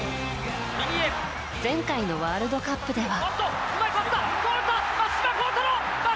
前回のワールドカップでは。